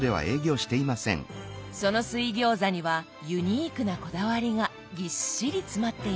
その水餃子にはユニークなこだわりがぎっしり詰まっていました。